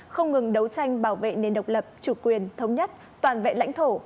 không ngừng đấu tranh bảo vệ nền độc lập chủ quyền thống nhất toàn vẹn lãnh thổ